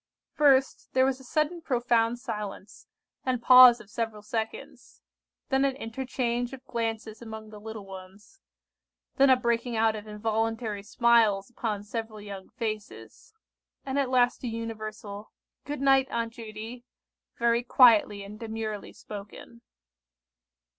First, there was a sudden profound silence, and pause of several seconds; then an interchange of glances among the little ones; then a breaking out of involuntary smiles upon several young faces; and at last a universal "Good night, Aunt Judy!" very quietly and demurely spoken.